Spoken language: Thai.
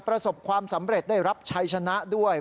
ประสบความสำเร็จได้รับชัยชนะด้วย